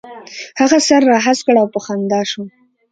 هغه سر را هسک کړ او په خندا شو.